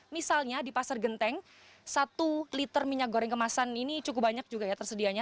misalnya di pasar genteng satu liter minyak goreng kemasan ini cukup banyak juga ya tersedianya